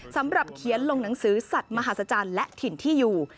สำหรับเขียนลงหนังสือสัตว์มหาศจรรย์และถิ่นที่อยู่